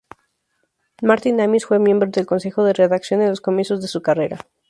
Martin Amis fue miembro del consejo de redacción en los comienzos de su carrera.